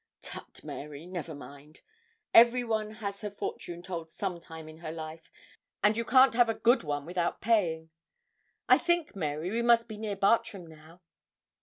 'Tut, Mary, never mind. Everyone has her fortune told some time in her life, and you can't have a good one without paying. I think, Mary, we must be near Bartram now.'